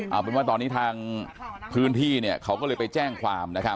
เอาเป็นว่าตอนนี้ทางพื้นที่เนี่ยเขาก็เลยไปแจ้งความนะครับ